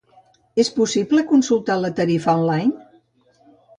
És possible consultar la tarifa online?